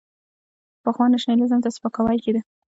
پخوا نېشنلېزم ته سپکاوی کېده.